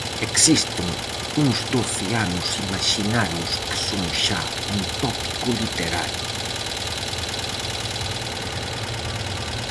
Existen uns doce anos imaxinarios que son xa un tópico literario.